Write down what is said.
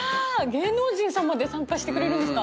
芸能人さんまで参加してくれるんですか。